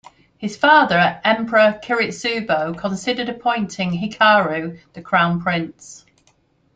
His father Emperor Kiritsubo considered appointing Hikaru the crown prince.